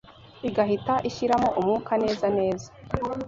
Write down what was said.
igahita ishiramo umwuka neza neza.